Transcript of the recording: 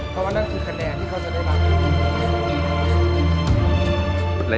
เพราะว่านั่นคือคะแนนที่เขาจะได้รับ